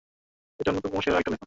এটা তার অন্যতম সেরা একটা লেখা।